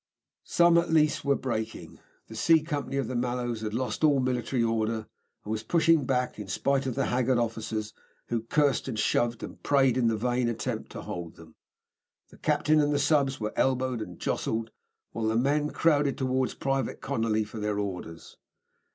Some, at least, were breaking. The C Company of the Mallows had lost all military order, and was pushing back in spite of the haggard officers, who cursed, and shoved, and prayed in the vain attempt to hold them. The captain and the subs. were elbowed and jostled, while the men crowded towards Private Conolly for their orders.